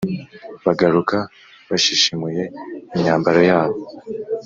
bagaruka bashishimuye imyambaro yabo,